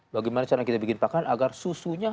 bagaimana caranya kita bikin pakan agar susunya